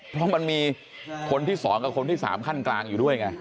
เพราะมันมีคนที่๒กับคนที่๓ขั้นกลางอยู่ด้วยไง